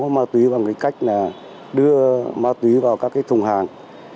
màu túy bằng cách đưa màu túy vào các thùng hàng